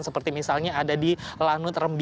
seperti misalnya ada di lanut rembi